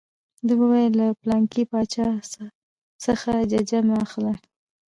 ده وویل له پلانکي باچا څخه ججه مه اخلئ.